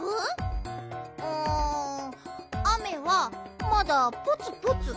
うん雨はまだポツポツ。